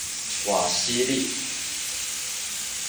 瓦西利。